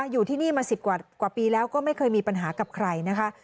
อยู่ที่นี่มา๑๐กว่าปีแล้วก็ไม่เคยมีปัญหากับใครนะคะ